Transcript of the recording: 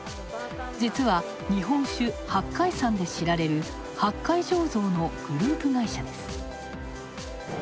実は、日本酒、八海山で知られる八海醸造のグループ会社です。